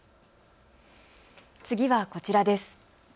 次はこちらです。